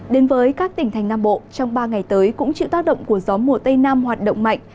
đến với các tỉnh thành nam bộ trong ba ngày tới cũng chịu tác động của gió mùa tây nam hoạt động mạnh